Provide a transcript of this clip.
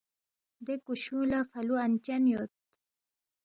دے کُشُونگ لہ فلُو انچن یود